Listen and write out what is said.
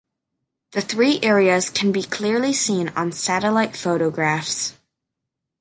The three areas can be clearly seen on satellite photographs.